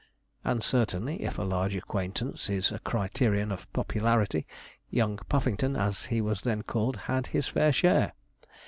And certainly, if a large acquaintance is a criterion of popularity, young Puffington, as he was then called, had his fair share.